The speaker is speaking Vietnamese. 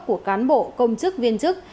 của cán bộ công chức viên chức